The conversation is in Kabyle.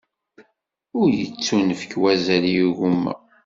Ur yettunefk wazal i yigumma igamanen.